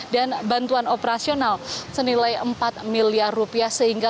dan bantuan operasional senilai empat miliar rupiah